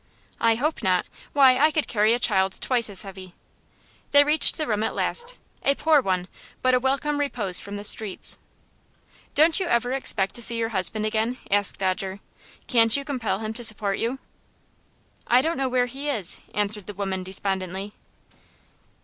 "I hope not. Why, I could carry a child twice as heavy." They reached the room at last a poor one, but a welcome repose from the streets. "Don't you ever expect to see your husband again?" asked Dodger. "Can't you compel him to support you?" "I don't know where he is," answered the woman, despondently.